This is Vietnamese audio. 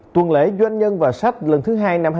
tuần lễ doanh nhân và sách lần thứ hai